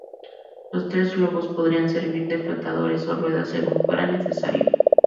Los tres globos podrían servir de flotadores o ruedas, según fuera necesario.